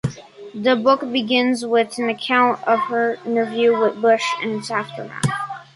The book begins with an account of her interview with Bush and its aftermath.